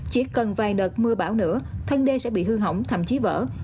chỉ cần vài đợt mưa bão nữa thân đê sẽ bị hư hỏng thậm chí vỡ